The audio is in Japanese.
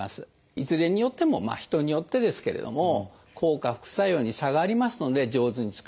いずれによっても人によってですけれども効果副作用に差がありますので上手に使うということ。